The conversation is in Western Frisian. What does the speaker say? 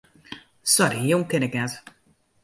Sorry, jûn kin ik net.